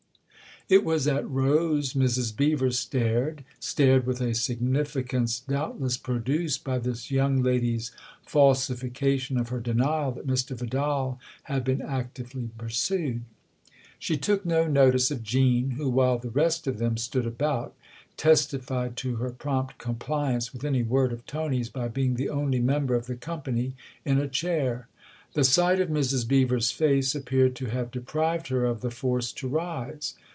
It was at Rose Mrs. Beever stared stared with a significance doubtless produced by this young lady's falsification of her denial that Mr. Vidal had been actively pursued. She took no notice of Jean, who, while the rest of them stood about, testified to her prompt compliance with any word of Tony's by being the only member THE OTHER HOUSE 97 of the company in a chair. The sight of Mrs. Beever's face appeared to have deprived her of the force to rise.